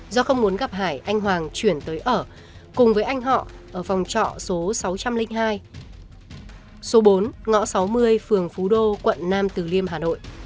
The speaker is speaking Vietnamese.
do không muốn gặp hải anh hoàng chuyển tới ở cùng với anh họ ở phòng trọ số sáu trăm linh hai số bốn ngõ sáu mươi phường phú đô quận nam từ liêm hà nội